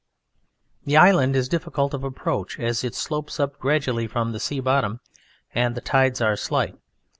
The Island is difficult of approach as it slopes up gradually from the sea bottom and the tides are slight.